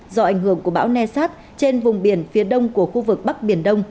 do ảnh hưởng của bão nasat trên vùng biển phía đông của khu vực bắc biển đông